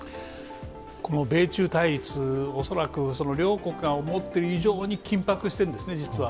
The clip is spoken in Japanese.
米中対立、恐らく両国が思っている以上に緊迫しているんですね、実は。